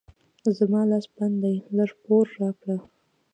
زما لاس بند دی؛ لږ پور راکړه.